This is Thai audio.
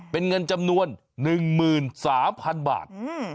เป็นเงินจำนวน๑๓๐๐๐บาท